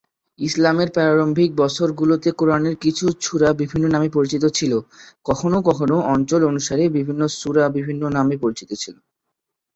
ইসলামের প্রারম্ভিক বছরগুলোতে কুরআনের কিছু সূরা বিভিন্ন নামে পরিচিত ছিল, কখনও কখনও অঞ্চল অনুসারে বিভিন্ন সূরা বিভিন্ন নামে পরিচিত ছিল।